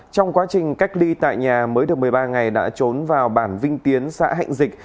trong quá trình cách ly tại nhà mới được một mươi ba ngày đã trốn vào bản vinh tiến xã hạnh dịch